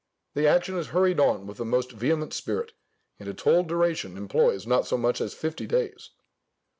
The action is hurried on with the most vehement spirit, and its whole duration employs not so much as fifty days.